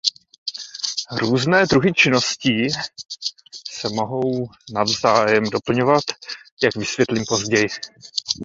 Různé druhy činností se mohou navzájem doplňovat, jak vysvětlím později.